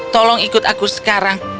tolong ikut aku sekarang